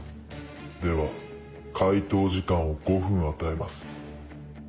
では回答時間を５分与えます。